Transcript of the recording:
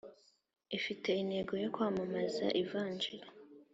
ifite intego yo kwamamaza Ivanjili